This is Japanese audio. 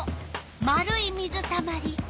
丸い水たまり。